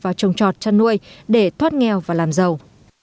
vào trồng trọt chăn nuôi để thoát nghèo và làm giàu